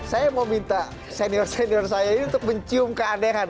saya mau minta senior senior saya ini untuk mencium keanehan